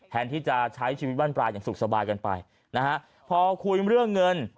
แทนที่จะใช้ชีวิตบ้านปลายอย่างสุขสบายกันไปนะฮะพอคุยเรื่องเงิน